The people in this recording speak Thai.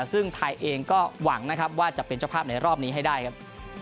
ซึ่งไทยเองก็หวังนะครับว่าจะเป็นเจ้าภาพในรอบนี้ให้ได้ครับ